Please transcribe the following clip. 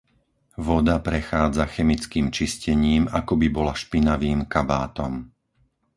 Voda prechádza chemickým čistením, akoby bola špinavým kabátom.